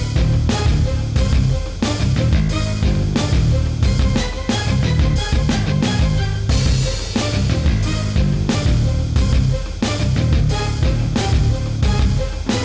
สนุนโดยสถาบันความงามโย